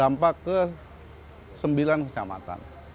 terdampak ke sembilan kecamatan